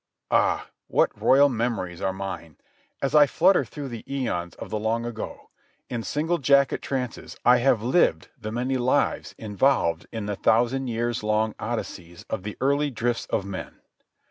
Ah, what royal memories are mine, as I flutter through the æons of the long ago. In single jacket trances I have lived the many lives involved in the thousand years long Odysseys of the early drifts of men.